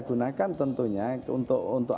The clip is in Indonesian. gunakan tentunya untuk